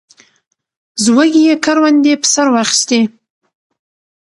زوږ یې کروندې په سر واخیستې.